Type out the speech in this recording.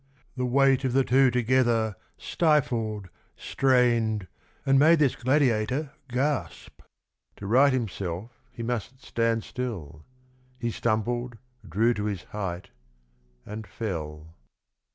The weight of the two together stifled, strained, and made this gladiator gasp — To right himself, he must stand still. He stumbled, drew to his height, and fell.